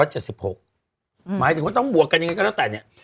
หมายถึงว่าต้องบวกกันยังไงก็แล้วแต่เนี่ย